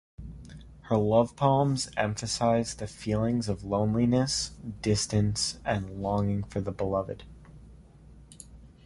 Her love poems emphasize the feelings of loneliness, distance, and longing for the beloved.